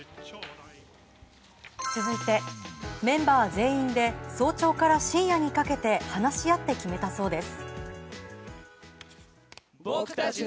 続いて、メンバー全員で早朝から深夜にかけて話し合って決めたそうです。